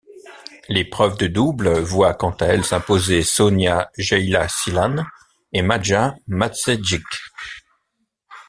L'épreuve de double voit quant à elle s'imposer Sonya Jeyaseelan et Maja Matevžič.